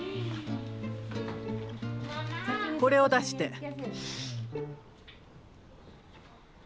これを出して！